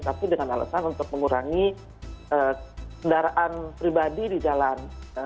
tapi dengan alasan untuk mengurangi kendaraan pribadi di jalan